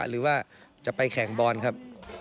หรือว่าจะไปแข่งบอลครับ